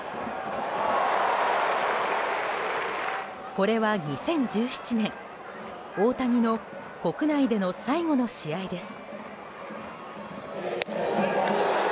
これは２０１７年大谷の国内での最後の試合です。